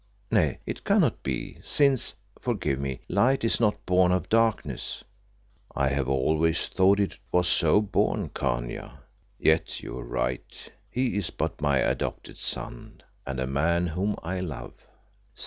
Nay, it cannot be, since forgive me light is not born of darkness." "I have always thought that it was so born, Khania. Yet you are right; he is but my adopted son, and a man whom I love."